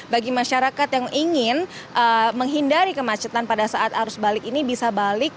bagi masyarakat yang ingin menghindari kemacetan pada saat arus balik ini bisa balik